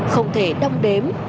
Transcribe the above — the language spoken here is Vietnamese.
không thể đong đếm